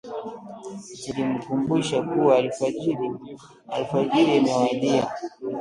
Zilimkumbusha kuwa alfajiri imewadia